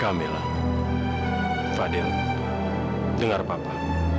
kamila fadhil dengar papa